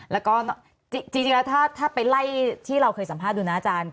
แล้วก็จริงแล้วถ้าไปไล่ที่เราเคยสัมภาษณ์ดูนะอาจารย์